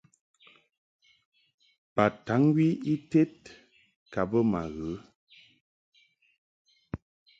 Bataŋgwi ited ka bə ma ghə.